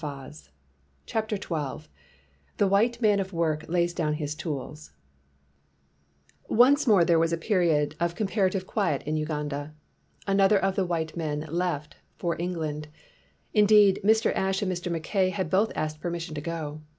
249 CHAPTER XII THE WHITE MAX OF WORK LAYS DOWN HIS TOOLS /^VNCE more there was a period of com ^^ parative quiet in Uganda. Another of the white men left for England. In deed, Mr. Ashe and Mr. Mackay had both asked permission to go.